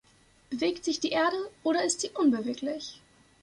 Bewegt sich die Erde oder ist sie unbeweglich?